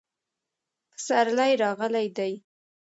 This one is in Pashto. پسرلی راغلی دی